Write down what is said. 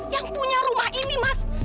yang punya rumah ini mas